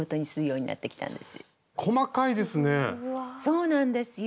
そうなんですよ。